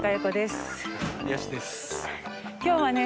今日はね